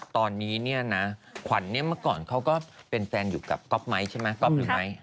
ตอนนี้นี่นะขวัญนี่เมื่อก่อนเขาก็เป็นแฟนอยู่กับก๊อบไหมใช่ไหม